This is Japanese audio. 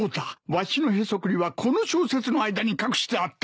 わしのへそくりはこの小説の間に隠してあったんだ。